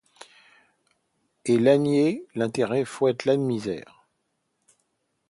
Et l’ânier Intérêt fouette l’âne Misère ;